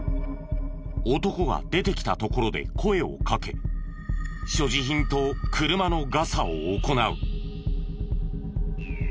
男が出てきたところで声をかけ所持品と車のガサを行う。